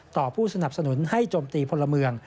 ผู้สนับสนุนให้โจมตีพลเมือง